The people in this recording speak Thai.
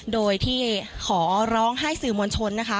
โดยที่ขอร้องให้สื่อมวลชนนะคะ